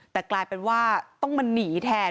แต่กลายเป็นว่าต้องมาหนีแทน